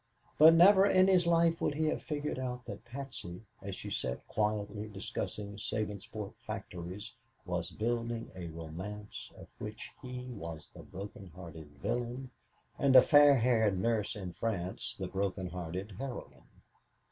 But never in his life would he have figured out that Patsy, as she sat quietly discussing Sabinsport factories, was building a romance of which he was the broken hearted villain and a fair haired nurse in France the broken hearted heroine.